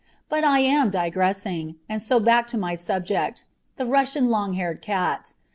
But I am digressing, and so back to my subject the Russian long haired cat.